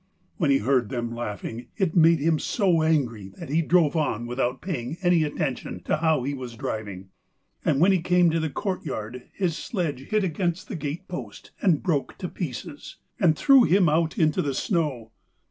When he heard them laughing, it made him so angry that he drove on without paying any attention to how he was driving, and when he came to the courtyard his sledge hit against the gate post and broke to pieces, and threw him out into the snow.